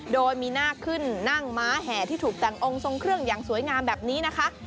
โดยมีหน้าขึ้นนั่งม้าแห่ที่ถูกแต่งองค์ทรงเครื่องอย่างสวยงามแบบนี้นะคะ